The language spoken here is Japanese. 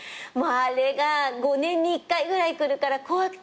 あれが５年に１回ぐらいくるから怖くて怖くて。